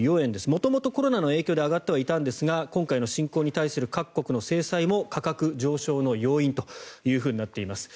元々コロナの影響で上がってはいたんですが今回の侵攻に対する各国の制裁も価格上昇の要因となっています。